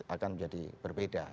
akan jadi berbeda